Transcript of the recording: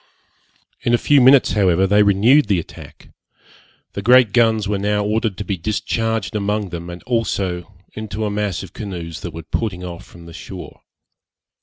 In a few minutes, however, they renewed the attack. The great guns were now ordered to be discharged among them, and also into a mass of canoes that were putting off from the shore.